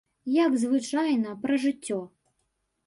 Як звычайна, пра жыццё.